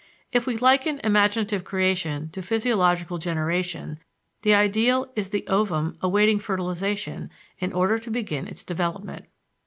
If we liken imaginative creation to physiological generation, the ideal is the ovum awaiting fertilization in order to begin its development.